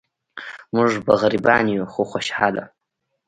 مونږ به غریبان یو خو خوشحاله.